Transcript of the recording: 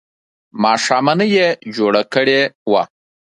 ماښامنۍ یې جوړه کړې وه.